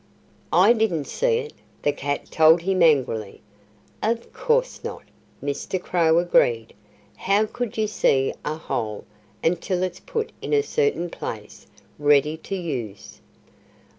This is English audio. "I didn't see it," the cat told him angrily. "Of course not!" Mr. Crow agreed. "How could you see a hole until it's put in a certain place, ready to use?"